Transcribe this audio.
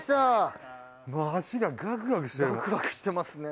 足がガクガクしてるもう。